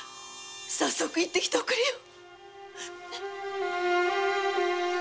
早速行って来ておくれよ。